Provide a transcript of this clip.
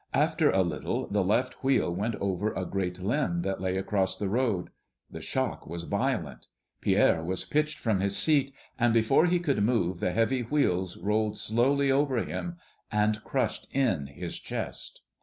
After a little the left wheel went over a great limb that lay across the road. The shock was violent. Pierre was pitched from his seat; and before he could move, the heavy wheels rolled slowly over him and crushed in his chest.